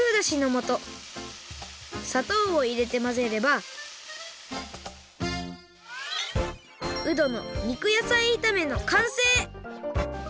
もとさとうをいれてまぜればうどの肉野菜いためのかんせい！